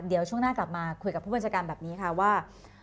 เดี๋ยวช่วงหน้ากลับมาคุยกับผู้บัญชาการแบบนี้ค่ะว่า